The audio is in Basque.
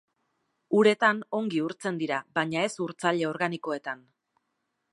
Uretan ongi urtzen dira baina ez urtzaile organikoetan.